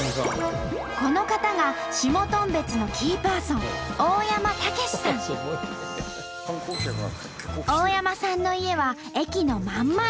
この方が下頓別のキーパーソン大山さんの家は駅の真ん前。